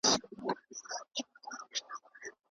ټولنه څنګه د فرد نظر ته اړتیا لري؟